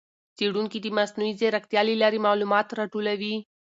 څېړونکي د مصنوعي ځېرکتیا له لارې معلومات راټولوي.